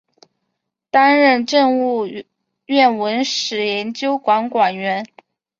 担任政务院文史研究馆馆员。